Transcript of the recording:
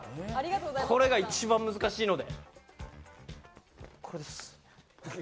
これが一番難しいので。